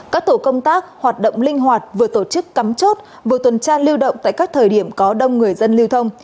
các tổ công tác hoạt động linh hoạt vừa tổ chức cắm chốt vừa tuần tra lưu động tại các thời điểm có đông người dân lưu thông